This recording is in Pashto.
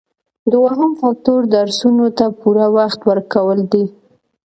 دوهم فکتور درسونو ته پوره وخت ورکول دي.